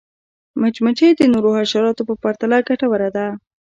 مچمچۍ د نورو حشراتو په پرتله ګټوره ده